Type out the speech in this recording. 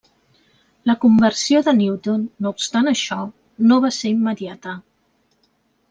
La conversió de Newton, no obstant això, no va ser immediata.